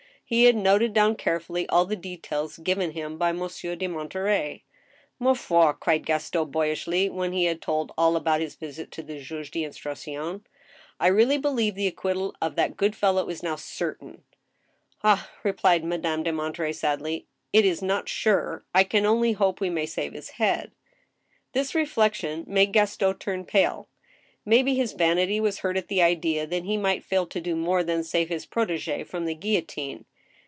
He had noted down carefully all the details given him by Monsieur de Monterey. " Ma foil " cried Gaston, boyishly, when he had told all about his visit to the juge d* instruction, " I really believe the acquittal of that good fellow is now certain !"" Ah !" replied Madame de Monterey, sadly, " it is not sure. I can only hope we may save his head." This reflection made Gaston turn pale. May be his vanity was hurt at the idea that he might fail to do more than save his prot^i from the guillotine.